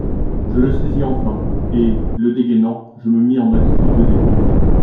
Je le saisis enfin, et, le dégainant, je me mis en attitude de défense.